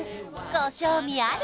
ご賞味あれ！